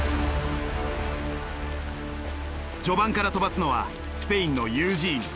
序盤から飛ばすのはスペインのユージーニ。